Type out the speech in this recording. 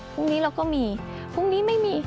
พรุ่งนี้เราก็มีพรุ่งนี้ไม่มี